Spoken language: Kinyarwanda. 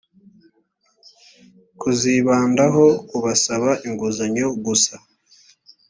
kuzibandaho ku basaba inguzanyo gusa